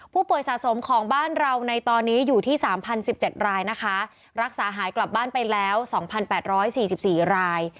ผู้ป่วยสะสมของบ้านเราในตอนนี้อยู่ที่๓๐๑๗รายนะคะรักษาหายกลับบ้านไปแล้ว๒๘๔๔ราย